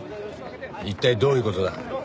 一体どういう事だ？